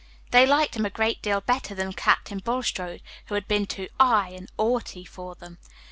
They liked him a great deal better than Captain Bulstrode, who had been too "'igh" and "'aughty" for them.